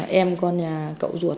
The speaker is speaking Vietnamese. thì là em con nhà cậu ruột ạ